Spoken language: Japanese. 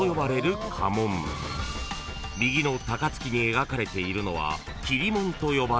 ［右の高杯に描かれているのは］